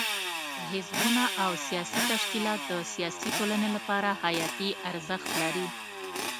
حزبونه او سیاسي تشکیلات د سیاسي ټولنې لپاره حیاتي ارزښت لري.